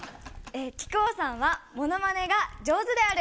木久扇さんはものまねが上手である。